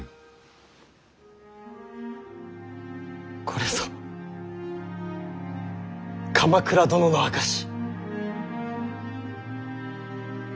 これぞ鎌倉殿の証し。